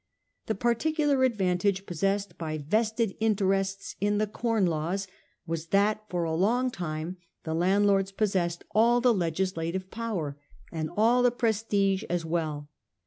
The particular advantage possessed by vested interests in the Com Laws was that for a long time the landlords possessed all the legislative power and all the prestige as well.